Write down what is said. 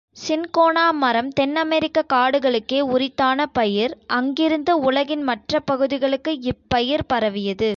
Cinchona மரம் தென்னமெரிக்கக் காடுகளுக்கே உரித்தான பயிர், அங்கிருந்து உலகின் மற்ற பகுதிகளுக்கு இப்பயிர் பரவியது.